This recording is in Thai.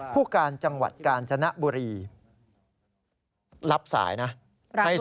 ผู้การจังหวัดกาญจนบุรีรับสายใกล้สัมภาษณ์